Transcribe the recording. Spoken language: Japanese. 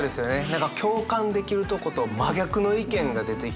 何か共感できるとこと真逆の意見が出てきたりとか。